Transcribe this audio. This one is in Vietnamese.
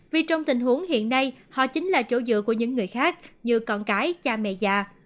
vì trong tình huống hiện nay họ chính là chỗ dựa của những người khác như con cái cha mẹ già